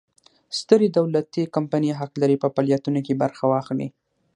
سترې دولتي کمپنۍ حق لري په فعالیتونو کې برخه واخلي.